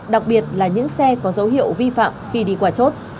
đặc biệt là những xe có dấu hiệu vi phạm khi đi qua chốt